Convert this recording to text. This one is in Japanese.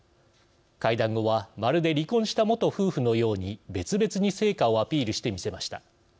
会談後はまるで離婚した元夫婦のように別々に成果をアピールして見せました。